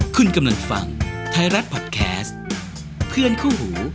คุณกำลังฟังไทยรัฐพอดแคสต์เพื่อนคู่หู